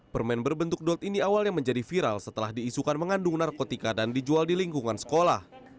permen berbentuk dot ini awalnya menjadi viral setelah diisukan mengandung narkotika dan dijual di lingkungan sekolah